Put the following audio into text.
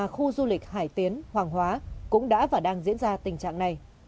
khu du lịch hải tiến hoàng hóa cũng đã và đang diễn ra tình trạng này